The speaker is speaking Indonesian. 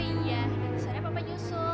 oh iya kemarin sore papa nyusul